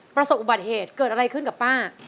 ประสบอุบัติเหตุเกิดอะไรขึ้นกับป้า